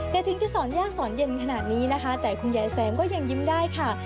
แต่ถึงจะสอนยากสอนเย็นขนาดนี้นะคะแต่คุณยายแซมก็ยังยิ้มได้ค่ะ